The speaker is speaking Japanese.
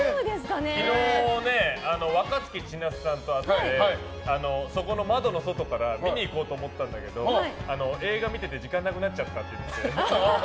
昨日、若槻千夏さんと窓の外から見に行こうと思ったんだけど映画見てて時間なくなったって。